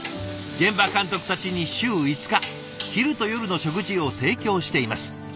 現場監督たちに週５日昼と夜の食事を提供しています。